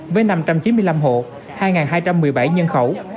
với năm trăm chín mươi năm hộ hai hai trăm một mươi bảy nhân khẩu